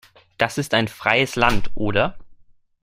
Das ist ein freies Land, oder?